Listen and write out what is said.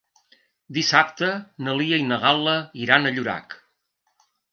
Dissabte na Lia i na Gal·la iran a Llorac.